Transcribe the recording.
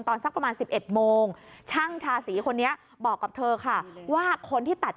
สักประมาณ๑๑โมงช่างทาสีคนนี้บอกกับเธอค่ะว่าคนที่ตัด